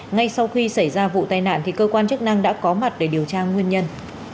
ngay sau khi xảy ra vụ tai nạn thì cơ quan chức năng đã có mặt để điều tra nguyên nhân